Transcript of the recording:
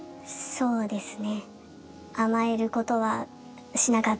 そうですね。